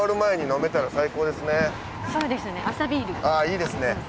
あいいですね。